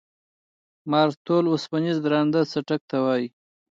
مارتول اوسپنیز درانده څټک ته وایي.